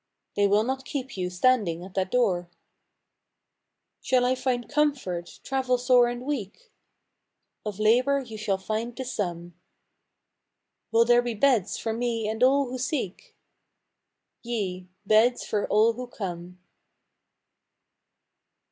" They will not keep you standing at that door " Shall I find comfort, travel sore and weak ?"" Of labor you shall find the sum !"" Will there be beds for me and all who seek ?"" Yea, beds for all who come